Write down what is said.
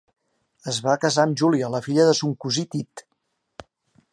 Es va casar amb Júlia la filla de son cosí Tit.